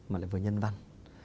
mà lại vừa nhân văn